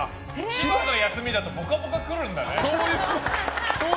千葉の休みだと「ぽかぽか」来るんだね。